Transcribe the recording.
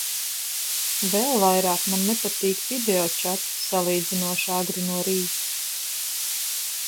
Vēl vairāk man nepatīk videočati salīdzinoši agri no rīta.